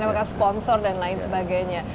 apakah sponsor dan lain sebagainya